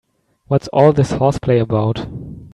What's all this horseplay about?